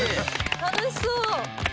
楽しそう！